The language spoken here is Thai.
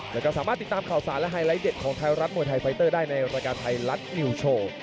แล้วก็สามารถติดตามข่าวสารและไฮไลท์เด็ดของไทยรัฐมวยไทยไฟเตอร์ได้ในรายการไทยรัฐนิวโชว์